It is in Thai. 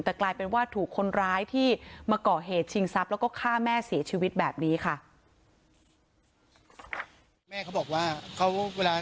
แต่กลายเป็นว่าถูกคนร้ายที่มาก่อเหตุชิงทรัพย์แล้วก็ฆ่าแม่เสียชีวิตแบบนี้ค่ะ